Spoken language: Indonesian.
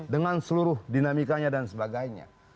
dengan seluruh dinamikanya dan sebagainya